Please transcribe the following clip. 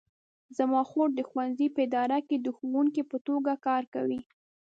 زما خور د ښوونځي په اداره کې د ښوونکې په توګه کار کوي